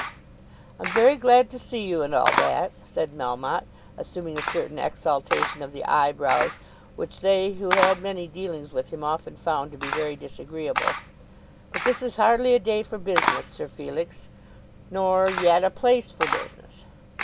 "I'm very glad to see you, and all that," said Melmotte, assuming a certain exaltation of the eyebrows, which they who had many dealings with him often found to be very disagreeable; "but this is hardly a day for business, Sir Felix, nor, yet a place for business."